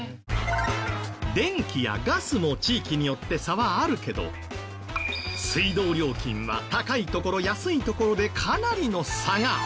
電気やガスも地域によって差はあるけど水道料金は高い所安い所でかなりの差が！